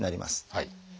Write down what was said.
はい。